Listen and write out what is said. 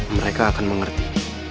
mereka akan mengerti